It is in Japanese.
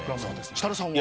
設楽さんは？